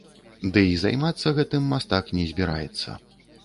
Дый займацца гэтым мастак не збіраецца.